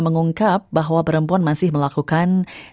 mengungkap bahwa perempuan masih melakukan